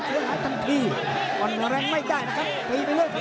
เผื่อหายทันทีแต่ก่อนแรงไม่ได้นะครับ